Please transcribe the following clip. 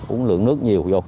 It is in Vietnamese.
uống lượng nước nhiều vô